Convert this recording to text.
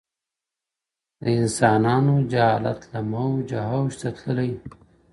o د انسانانو جهالت له موجه. اوج ته تللی.